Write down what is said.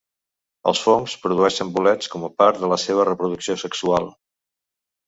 Els fongs produeixen bolets com a part de la seva reproducció sexual.